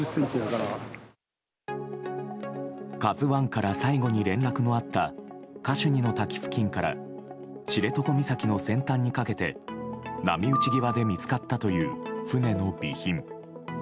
「ＫＡＺＵ１」から最後に連絡のあったカシュニの滝付近から知床岬の先端にかけて波打ち際で見つかったという船の備品。